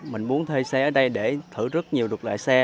mình muốn thuê xe ở đây để thử rất nhiều đột lại xe